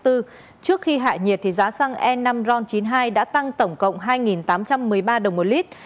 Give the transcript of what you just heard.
trước khi hại nhiệt thì giá xăng e năm ron chín mươi hai đã tăng tổng cộng hai tám trăm một mươi ba đồng một lit